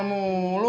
latihan futsal mulu